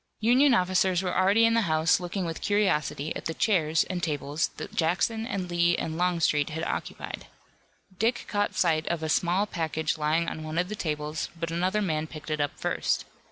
Union officers were already in the house looking with curiosity at the chairs and tables that Jackson and Lee and Longstreet had occupied. Dick caught sight of a small package lying on one of the tables, but another man picked it up first.